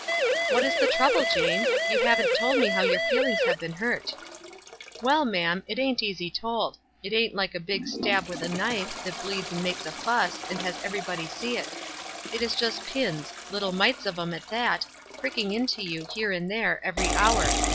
"What is the trouble, Jane? You haven't told me how your feelings have been hurt." "Well, ma'am, it ain't easy told. It ain't like a big stab with a knife, that bleeds and makes a fuss, and has everybody see it. It's just pins, little mites of 'em at that, pricking into you, here and there, every hour.